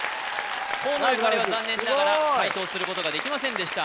まずまず河野ゆかりは残念ながら解答することができませんでした